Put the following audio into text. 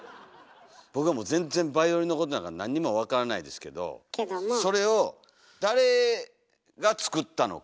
僕はもう全然バイオリンのことなんか何にも分からないですけどそれを誰が作ったのか。